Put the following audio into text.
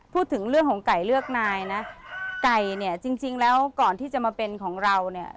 พูดถึงเรื่องของไก่เลือกนายนะไก่เนี่ยจริงแล้วก่อนที่จะมาเป็นของเราเนี่ย